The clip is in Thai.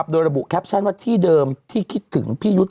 โดยระบุแคปชั่นว่าที่เดิมที่คิดถึงพี่ยุทธ์